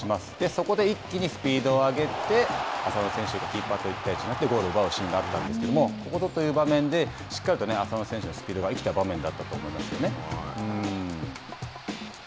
そこで一気にスピードを上げて浅野選手がキーパーと１対１になってゴールを奪うシーンがあったんですけれどもここぞという場面でしっかりと浅野選手のスピードが生きた場面だったと思いますね。